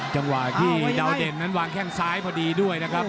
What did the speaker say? จังหวะที่ดาวเด่นนั้นวางแข้งซ้ายพอดีด้วยนะครับ